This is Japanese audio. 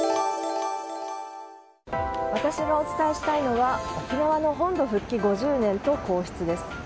私がお伝えしたいのは沖縄の本土復帰５０年と皇室です。